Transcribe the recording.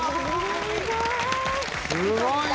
すごい！